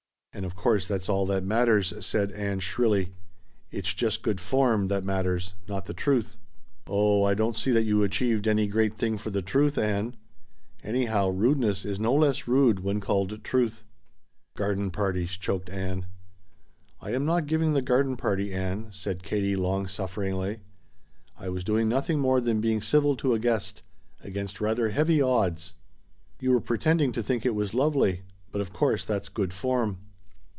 "And of course that's all that matters," said Ann shrilly. "It's just good form that matters not the truth." "Oh I don't see that you achieved any great thing for the truth, Ann. Anyhow, rudeness is no less rude when called truth." "Garden parties!" choked Ann. "I am not giving the garden party, Ann," said Katie long sufferingly. "I was doing nothing more than being civil to a guest against rather heavy odds." "You were pretending to think it was lovely. But of course that's good form!"